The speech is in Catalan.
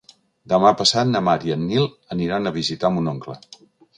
Demà passat na Mar i en Nil aniran a visitar mon oncle.